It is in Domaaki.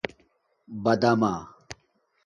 بادامہ